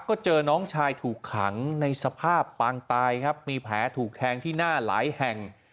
ก็เจอน้องชายถูกขังในสภาพปางตายครับมีแผลถูกแทงที่หน้าหลายแห่ง